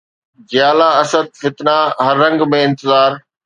جيالا اسد فتنه هر رنگ ۾ انتظار